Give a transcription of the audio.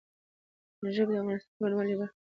ژبې د افغانستان د بڼوالۍ یوه برخه ده.